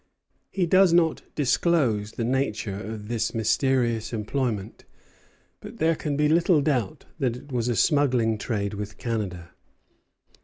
He does not disclose the nature of this mysterious employment; but there can be little doubt that it was a smuggling trade with Canada.